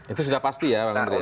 itu sudah pasti ya bang andre